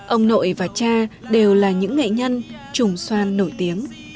ông nội và cha đều là những nghệ nhân trùng xoan nổi tiếng